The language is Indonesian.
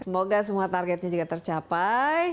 semoga semua targetnya juga tercapai